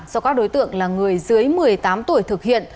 do các đối tượng là người dưới một mươi tám tuổi thực hiện